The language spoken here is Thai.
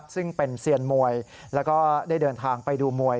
ซึ่งเป็นเซียนมวยแล้วก็ได้เดินทางไปดูมวย